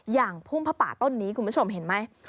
พุ่มผ้าป่าต้นนี้คุณผู้ชมเห็นไหม